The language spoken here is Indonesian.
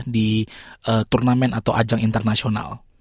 di turnamen atau ajang internasional